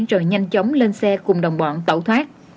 rồi nhanh chóng lên xe cùng đồng bọn tẩu thoát